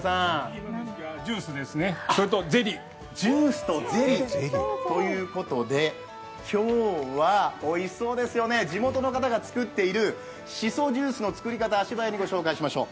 今の時期はジュースですねそれとゼリー。ということで今日はおいしそうですよね、地元の方が作っているしそジュースの作り方、足早にご紹介しましょう。